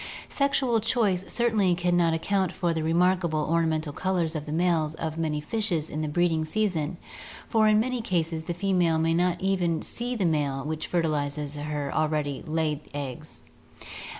Sexual choice certainly can not account for the remarkable or namental colors of the males of many fishes in the breeding season, for in many cases the female may not even see the male which fertilizes her already laid eggs.